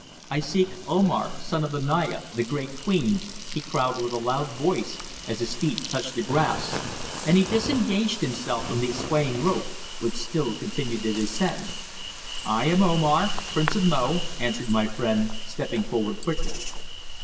"I seek Omar, son of the Naya, the Great Queen," he cried with a loud voice, as his feet touched the grass and he disengaged himself from the swaying rope, which still continued to descend. "I am Omar, Prince of Mo," answered my friend, stepping forward quickly.